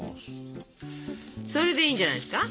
それでいいんじゃないですか？